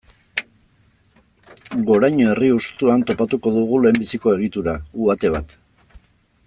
Goraño herri hustuan topatuko dugu lehenbiziko egitura, uhate bat.